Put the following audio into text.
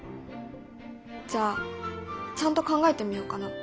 じゃあちゃんと考えてみようかな。